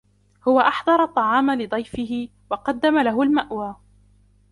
هوَ أحضر الطعام لضيفهُ وقدم لهُ المأوىَ.